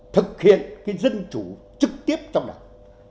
thực hiện cái dân chủ trực tiếp trong đảng